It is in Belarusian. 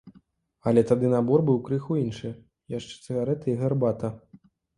Але тады набор быў крыху іншы, яшчэ цыгарэты і гарбата.